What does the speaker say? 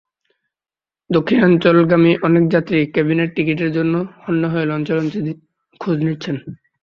দক্ষিণাঞ্চলগামী অনেক যাত্রী কেবিনের টিকিটের জন্য হন্যে হয়ে লঞ্চে লঞ্চে খোঁজ নিচ্ছেন।